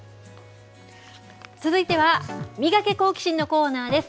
続いてはミガケ、好奇心！のコーナーです。